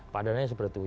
padananya seperti itu